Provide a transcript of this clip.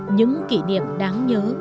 những kỷ niệm đáng nhớ